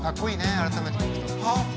改めて聴くと。